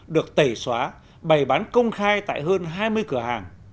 được tẩy xóa bày bán công khai tại hơn hai mươi cửa hàng